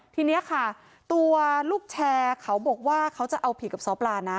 ทีนี้ค่ะตัวลูกแชร์เขาบอกว่าเขาจะเอาผิดกับซ้อปลานะ